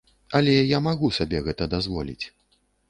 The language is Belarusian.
Але я магу сабе гэта дазволіць.